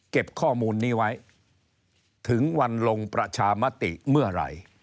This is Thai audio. ข้อมูลนี้ไว้ถึงวันลงประชามติเมื่อไหร่